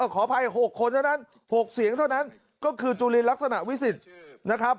ขออภัย๖คนเท่านั้น๖เสียงเท่านั้นก็คือจุลินลักษณะวิสิทธิ์นะครับ